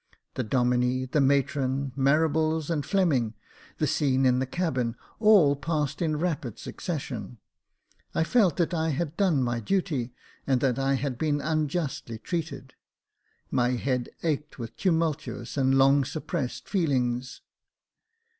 The Domine, the matron, Marables, and Fleming, the scene in the cabin — all passed in rapid succession. I felt that I had done my duty, and that I had been unjustly treated ; my head ached with tumultuous and long suppressed feelings.